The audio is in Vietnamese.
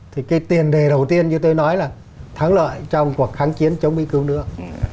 thì cái tiền đề đầu tiên như tôi nói là thắng lợi trong cuộc kháng chiến chống mỹ cứu nước